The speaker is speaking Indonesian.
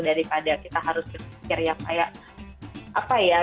daripada kita harus berpikir yang kayak apa ya